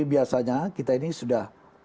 biasanya kita ini sudah